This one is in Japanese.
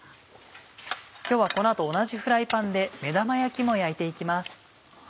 今日はこの後同じフライパンで目玉焼きも焼いて行きます。